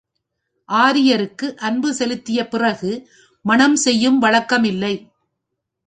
ஆரியருக்கு அன்பு செலுத்திய பிறகு மணம் செய்யும் வழக்கமில்லை.